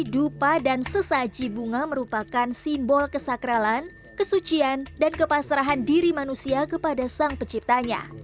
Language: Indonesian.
dupa dan sesaji bunga merupakan simbol kesakralan kesucian dan kepasrahan diri manusia kepada sang penciptanya